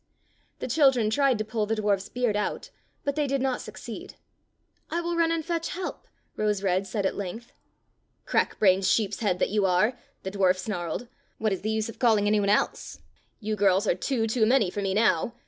'' The children tried to pull the dwarf's beard out, but they did not succeed. "I will run and fetch help," Rose red said at length. " Crack brained sheepshead that you are !" the dwarf snarled. "What is the use of call ing any one else.^ You girls are two too many for me now.